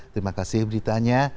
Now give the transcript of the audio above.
terima kasih beritanya